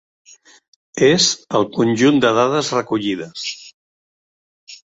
És el conjunt de dades recollides.